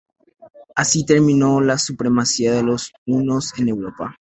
Así terminó la supremacía de los hunos en Europa.